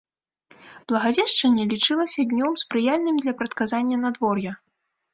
Благавешчанне лічылася днём, спрыяльным для прадказання надвор'я.